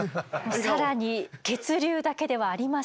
更に血流だけではありません。